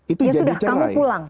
itu jadi cerai